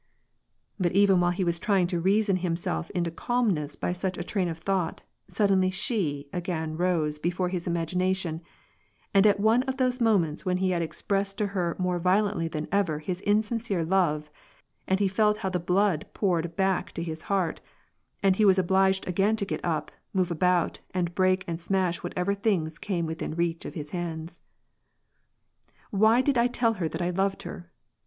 " But even while he was trying to reason himself into calm ness by such a train of thought, suddenly she again rose be fore his imagination, and at one of those moments when he had expressed to her more violently than ever his insincere love and he felt how the blood poured back to his heart, and he was obliged again to get up, move about, and break and smash whatever things c<ame withm reach of his hands. "Why did I tell her that I loved her?